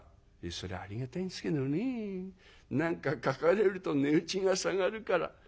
「それはありがたいんすけどねえ何か描かれると値打ちが下がるから」。